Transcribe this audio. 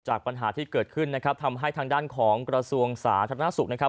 ปัญหาที่เกิดขึ้นนะครับทำให้ทางด้านของกระทรวงสาธารณสุขนะครับ